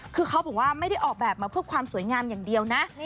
คือเขาบอกว่าไม่ได้ออกแบบมาเพื่อความสวยงามอย่างเดียวนะ